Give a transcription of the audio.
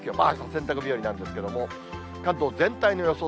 洗濯日和なんですけど、関東全体の予想